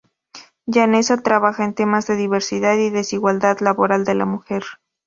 Llaneza trabaja en temas de diversidad y desigualdad laboral de la mujer.